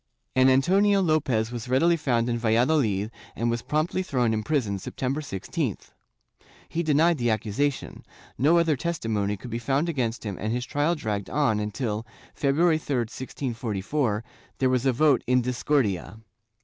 An Antonio Lopez was readily found in Valladolid and was promptly thrown in prison, September 16th. He denied the accusation; no other testimony could be found against him and his trial dragged on until, February 3, 1644, there was a vote in discordia.